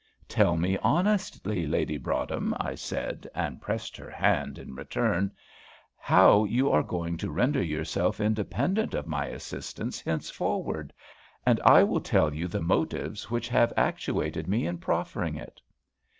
"Tell me honestly, Lady Broadhem," I said, and pressed her hand in return, "how you are going to render yourself independent of my assistance hence forward, and I will tell you the motives which have actuated me in proffering it."